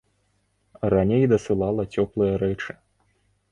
Раней дасылала цёплыя рэчы.